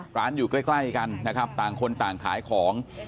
อยู่ใกล้กันนะครับต่างคนต่างขายของ